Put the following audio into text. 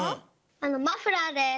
マフラーです。